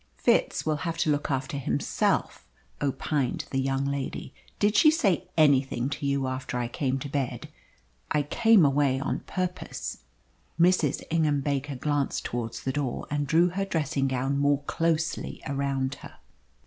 "Fitz will have to look after himself," opined the young lady. "Did she say anything to you after I came to bed? I came away on purpose." Mrs. Ingham Baker glanced towards the door, and drew her dressing gown more closely round her.